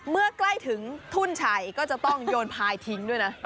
เมื่อใกล้ถึงทุ่นชัยก็จะต้องโยนพายทิ้งด้วยนะ